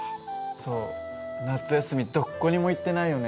そう夏休みどこにも行ってないよね。